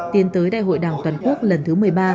tiến tới đại hội đảng toàn quốc lần thứ một mươi ba